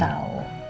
iya aku tau